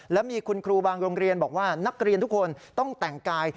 และมีคุณครูบางโรงเรียนบอกว่านักเรียนทุกคนต้องแต่งกาย